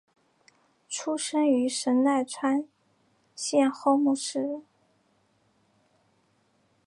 出身于神奈川县厚木市。